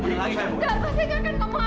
tunggu lagi saya mau